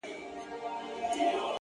چا ویل چي خدای د انسانانو په رکم نه دی،